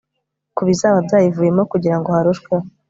ku bizaba byayivuyemo kugira ngo harushweho